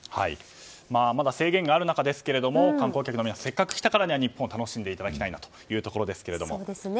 まだ制限がある中ですが観光客の皆さん、せっかく来たからには日本を楽しんでいただきたいと思います。